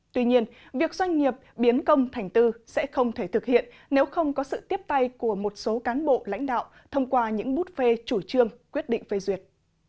tuy nhiên việc doanh nghiệp biến công thành tư sẽ không thể thực hiện nếu không có sự tiếp tay của một số cán bộ lãnh đạo thông qua những bút phê chủ trương quyết định phê duyệt